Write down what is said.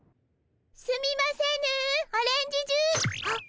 すみませぬオレンジジュハッ！